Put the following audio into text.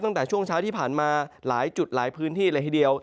ตั้งแต่ช่วงเช้าที่ผ่านมาหลายจุดหลายพื้นที่เลยทีเดียว